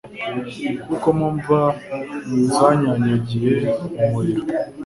kuko mu mva zanyanyagiye umuriro